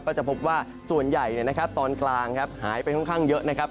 ก็จะพบว่าส่วนใหญ่ตอนกลางครับหายไปค่อนข้างเยอะนะครับ